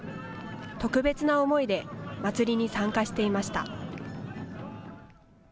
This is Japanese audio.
特別な思いでまつりに参加していました。